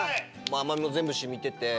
甘みも全部染みてて。